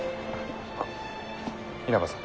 あっ稲葉さん。